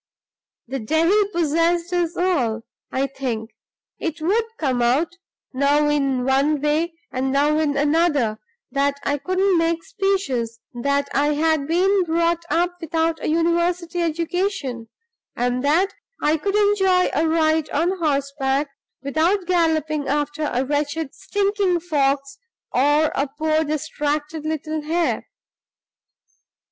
The devil possessed us all, I think. It would come out, now in one way, and now in another, that I couldn't make speeches that I had been brought up without a university education and that I could enjoy a ride on horseback without galloping after a wretched stinking fox or a poor distracted little hare.